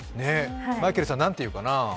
マイケルさん、なんて言うかな？